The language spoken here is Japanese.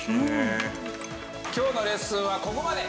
今日のレッスンはここまで。